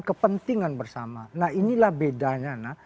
kepentingan bersama nah inilah bedanya nak